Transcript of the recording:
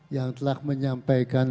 yang telah menyampaikan